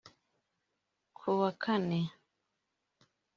Ku wa kane